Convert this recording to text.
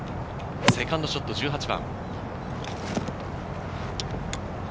セカンドショット、１８番。